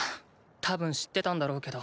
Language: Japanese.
たぶん知ってたんだろうけど。